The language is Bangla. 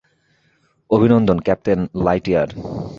অভিনন্দন, ক্যাপ্টেন লাইটইয়ার।